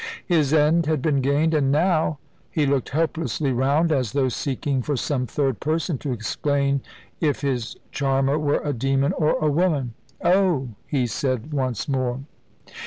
His end had been gained, and now he looked helplessly round, as though seeking for some third person to explain if his charmer were a demon or a woman. "Oh!" he said, once more.